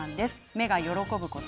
目が喜ぶこと。